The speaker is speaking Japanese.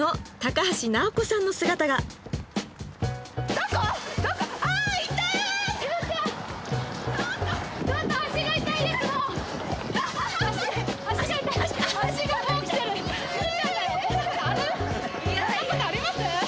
脚？こんなことあります？